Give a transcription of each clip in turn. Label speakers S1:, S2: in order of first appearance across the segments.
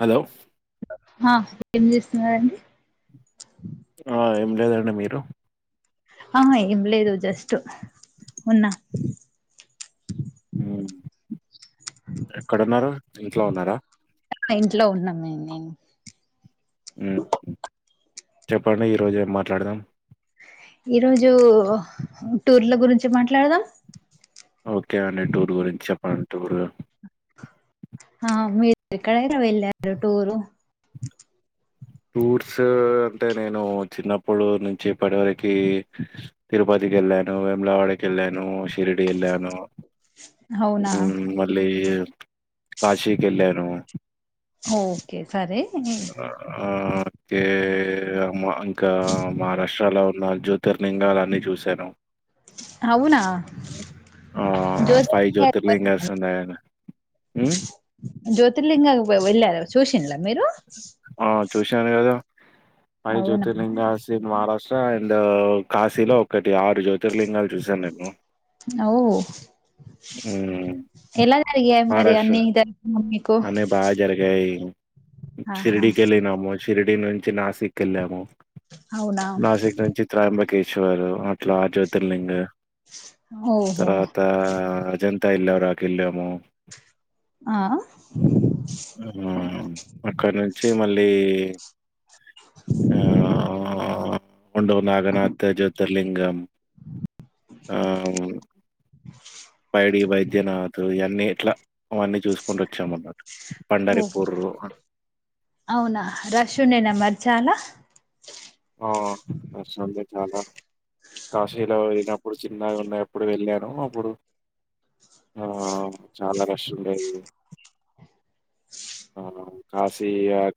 S1: Hello
S2: ఆ ఏం చేస్తున్నారండి
S1: ఆ ఏం లేదండి మీరు
S2: ఆ ఏం లేదు జస్ట్ ఉన్నా
S1: ఉ ఎక్కడ ఉన్నారు ఇంట్లో ఉన్నారా
S2: ఇంట్లో ఉన్నాం నేను
S1: ఉ చెప్పండి ఈరోజు ఏ మాట్లాడదాం
S2: ఈరోజు టూర్ల గురించి మాట్లాడదాం
S1: ఓకే అండి టూర్ గురించి చెప్పండి టూర్
S2: ఆ మీరు ఎక్కడైనా వెళ్ళార టూరు
S1: టూర్స్ అంటే నేను చిన్నప్పుడు నుంచి ఇప్పటివరకి తిరుపతికి వెళ్ళాను వెేములావాడకి వెళ్ళాను షిరిడి వెళ్ళాను
S2: అవునా
S1: కాశీకి వెళ్ళాను
S2: హు ఒకే సరే నేను
S1: తే అప్ ఇంకా మహారాష్ట్రలో నా జ్యోతిర్లింగాలు అన్నీ చూశాను
S2: అవునా
S1: ఆహ్,
S2: జ్యోతిర్లింగ
S1: జ్యోతిర్లింగాస్ ఉన్నాయండి. హ్మ్.
S2: జ్యోతిర్లింగ వెళ్ళారు చూసింలా మీరు
S1: అ చూసాను కదా అయి
S2: అవునా
S1: జ్యోతిర్లింగసిన్ మహారాష్ట్ర ఇం కాశీలో ఒకటి ఆరు జ్యోతిర్లింగాలు చూశాను నేను
S2: ఓ
S1: మ్మ్
S2: ఎలా జరికి అ మరి అన్నీ ఇద మమ్
S1: అనే బాగా జరిగాయి అ
S2: ఆహా
S1: శిర్డి కలినామో ర్డి నుంచి నాసిక్ వెళ్ళాము
S2: అవునా
S1: నాసిక్ ను చిత్రయంబ ఇట్లా జ్యోతిర్లింగ
S2: ఓహో
S1: తర్వాత అజంత ఎల్ ఆకిలిమో
S2: ఆ
S1: ఆ అక్కడి నుంచి మళ్ళీ ఆ ఉండో నాగనా త జత లింగం ఆ పైడి వైద్యనాతు అ ఎట్లా అ
S2: ఓ
S1: అని
S2: అవునా రష్ నేనా మర్చాలా
S1: ఆ ఆ వస్తుంది చాలా కాశీలో వోయినాం ఇప్పుడు చిన్నగా ఉన్నప్పుడు వెళ్ళాను అప్పుడు ఆ చాలా రష్ ఉండేది. ఆ కాశీ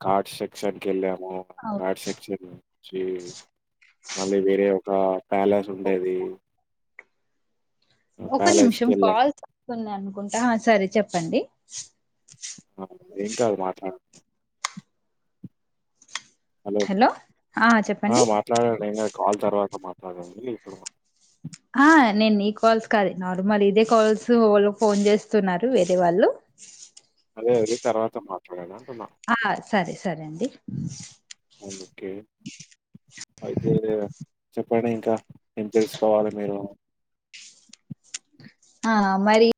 S1: ఘాట్ సెక్షన్ కేళ్లాం మో
S2: అవును
S1: ఘాట్ సెక్షన్ చి మళ్ళీ వేరే ఒక ప్యాలెస్ ఉండేది
S2: ఒక్క
S1: ప్యాలెస్ కి
S2: నిమిషం
S1: వెళ్ళాం
S2: కాల్స్ వస్తున్నాయను అనుకుంటా హ సరే చెప్పండి
S1: ఏం కాదు మాట్లాడు హలో
S2: ఆ
S1: ఆ
S2: చెప్పండి
S1: మాట్లాడనును కాల్ తర్వాత మాట్డ ఇ ఇప్పుడు [inaudible]
S2: ఆ నేను నీ కాల్స్ కాద నార్మల్ ఇదే కాల్స్ వాళ్ళు ఫోన్ చేస్తున్నారు వేరే వాళ్ళు
S1: అదే ఎరి తర్వాత మాట్లాడడా
S2: ఆ సరే సరే అండి
S1: ఓకే అయితే చెప్పండి ఇంకా ఏం తెలుసుకోవాలి మీరు
S2: ఆ మరి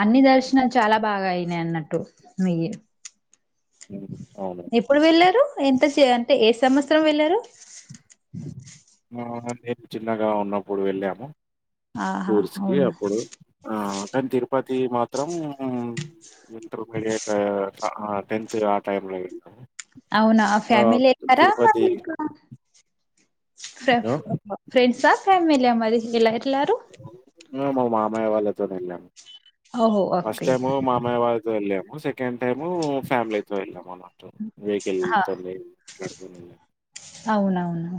S2: అన్ని దర్శనాలు చాలా బాగా అయినాయి అన్నట్టు మీఇ
S1: ఉమ్, అవును
S2: ఎప్పుడు వెళ్ళారు ఎంత చే అంటే ఏ సంవత్సరం వెళ్ళారు
S1: ఆ! నేను చిన్నగా ఉన్నప్పుడు వెళ్ళాము
S2: ఆహా
S1: టూర్స్ కి
S2: అవునా
S1: అప్పుడు ఆ కానీ తిరుపతి ది మాత్రం ఎంతరు బడిక్క [inaudible] టెన్త్ ఆ టైమ్ లో వె
S2: అవునా ఫ్యామిలీ ఎక్కడ
S1: ఆ!
S2: ఫ్రెండ్సా ఫ్యామలీ అ మరి ఇలా
S1: హ మా మామ మయ వాళ్ళతో వెళ్ళిన
S2: ఓహో
S1: ఫస్ట్
S2: ఓకే
S1: టైము మామయ్య వాళ్ళతో వెళ్ళాం సెకండ్ టైమూ ఫ్యామిలీతొ ఎళ్ళామ్ అన్నట్టు వెకిల్ తొ మెం మాట్లాడుకొని ఎళ్ళం
S2: అవునవును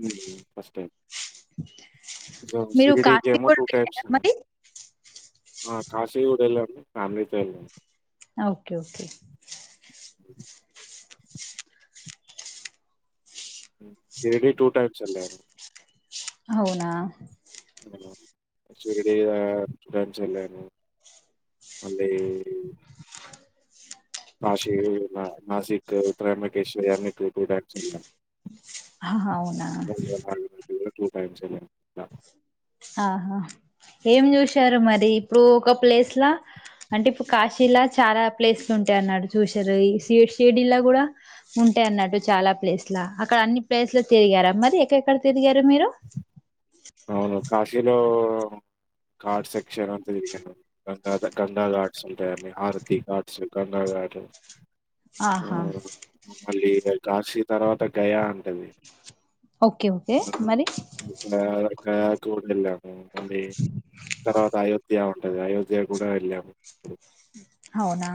S1: హమ్ ఫస్ట్ టైమ్
S2: మీరు
S1: షిరిడీ
S2: కాశీ
S1: కేమో
S2: కూడా
S1: టూ టైమ్స్
S2: వెళ్ళారా మరి
S1: అ కాశీ కూడ ఏళ్ళం ఫ్యామిలీ తో ఎళ్లాం
S2: okay okay
S1: [unintelligible] Shirdi two times ఏళ్లం
S2: అవునా
S1: షిరిడి ఆ టూ టైమ్స్ ఏళ్ళాను మళ్ళీ
S2: [unintelligible]
S1: కాశి, న నాసిక్, త్రయంబఖేశ్వరి అన్ని టూ టూ టైమ్స్ ళ్ళం
S2: హాహా అవునా
S1: నాగనది కూడా టూ టైమ్స్ ఎలన్ టా
S2: ఆహా ఏం చూశారు మరి [unintelligible] ఒక్క ప్లేస్ లా అంటే ఇప్పుడు కాశీలా చాలా ప్లేస్లు ఉంటాయి అన్నాడు చూసిర్ర, ఈ షిడ్ షిర్డీలా కూడా ఉంటాయి అన్నట్టు చాలా ప్లేస్ లా అక్కడ అన్ని ప్లేస్ లు తిరిగారా మరి ఎక్క ఎక్కడ తిరిగారు మీరు,
S1: అవును కాశీలో ఘాట్ సెక్షన్ అంతా తిరిగాను గంగా గంగా ఘాట్స్ ఉంటాయండి. హారతి ఘాట్స్, గంగా ఘాట్,
S2: ఆహా
S1: గై కాశీ తర్వాత గయా ఉంటుంది
S2: ఓకే ఓకే మళ్లి
S1: గయా కూడ వెళ్ళాము మళ్ళీ తర్వాత అయోధ్ ధ్య ఉంటది అయోధ్య కూడా వెళ్ళాము ప్పుడు
S2: అవునా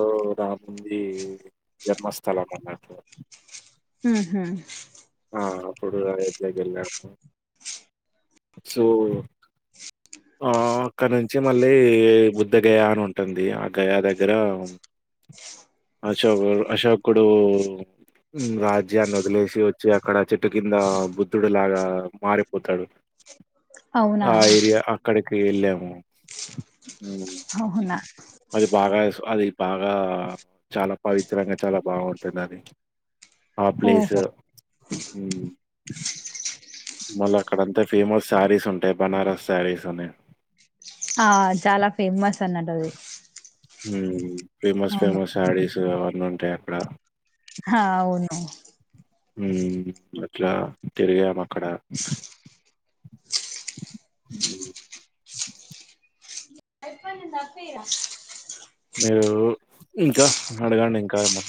S1: ఓరాం నుంది జన్మస్థలం అన్నట్లుగా
S2: ఉహు
S1: ఆ అప్పుడు అయోధ్యా కెళ్ళాను సో ఆ అక్కడ నుంచి మళ్ళీ బుద్ధ గయా అని ఉంటుంది, ఆ గయా దగ్గర అశోకు అశోకుడు మ్మ్ రాజ్యాన్ని వదిలేసి వచ్చి అక్కడ చెట్టు కింద బుద్ధుడు లాగా మారిపోతాడు.
S2: అవునా
S1: ఆ ఏరియా అ కి వెళ్ళాము మ్మ్
S2: అహున
S1: అది బాగా అది సు బాగా చాలా పవిత్రంగా చాలా బాగుంటుంది అది ఆ ప్లేసు
S2: ఓహో
S1: ఉమ్ మళ్ళ అక్కడంతా ఫేమస్ సారీస్ ఉంటాయి బనారస్ సారీస్ అని
S2: ఆ చాలా ఫేమస్ అన్నట్టు అది
S1: హుమ్ ఫేమస్
S2: అవును
S1: ఫేమస్ ఆడిస్ ఈ అవన్నీ ఉంటాయి అక్కడ
S2: హా అవును
S1: హ్మ్ అట్లా తిరిగాము అక్కడ మీరు ఇంకా అడగండి ఇంకా ఏమ